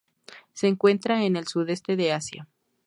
Se encuentra en el Sudeste de Asia.